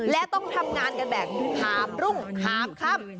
และต้องทำงานกันแบบขาบรุ่งหามค่ำ